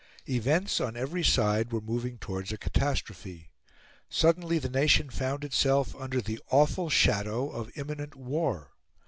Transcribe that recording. Events, on every side, were moving towards a catastrophe. Suddenly the nation found itself under the awful shadow of imminent war.